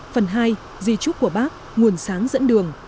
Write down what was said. phần hai di trúc của bác nguồn sáng dẫn đường